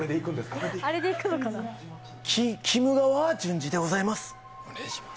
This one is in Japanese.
きむ川淳二でございます。